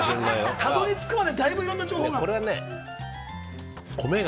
たどり着くまでにだいぶいろんな情報が。